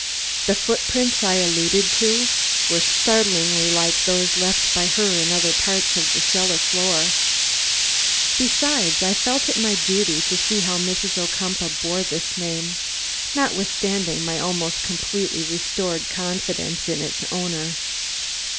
The footprints I alluded to were startlingly like those left by her in other parts of the cellar floor; besides, I felt it my duty to see how Mrs. Ocumpaugh bore this name, notwithstanding my almost completely restored confidence in its owner.